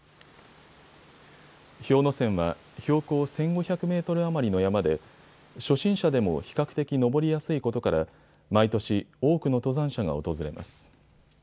氷ノ山は標高１５００メートル余りの山で初心者でも比較的登りやすいことから毎年、多くの登山者が訪れます。